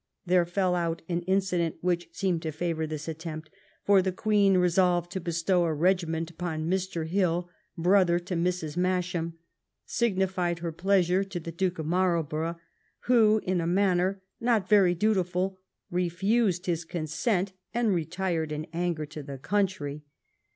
There fell out an incident which seemed to favour this attempt; for the Queen, resolving to bestow a regiment upon Mr. Hill, brother to Mrs. Masham, signified her pleasure to the Duke of Marlborough; who, in a manner not very dutiful, refused his consent and retired in anger to the country.